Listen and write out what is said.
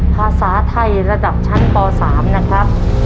ภาษาไทยระดับชั้นป๓นะครับ